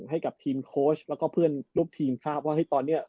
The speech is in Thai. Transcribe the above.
ให้กับทีมโค้ชแล้วก็เพื่อนลูกทีมทราบว่าเฮ้ยตอนนี้